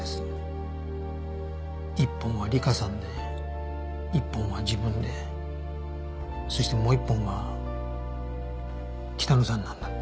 １本は理香さんで１本は自分でそしてもう１本は北野さんなんだって。